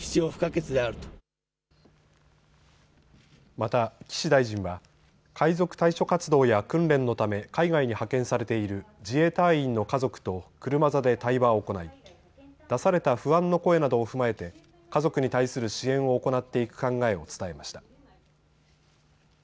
また岸大臣は海賊対処活動や訓練のため海外に派遣されている自衛隊員の家族と車座で対話を行い出された不安の声などを踏まえて家族に対する支援を行っていく考えを伝えました。